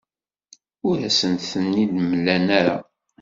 Ur asen-ten-id-mlan ara.